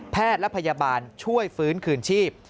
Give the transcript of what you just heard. และพยาบาลช่วยฟื้นคืนชีพ